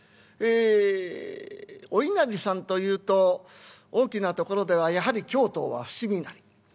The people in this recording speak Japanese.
えお稲荷さんというと大きなところではやはり京都は伏見稲荷。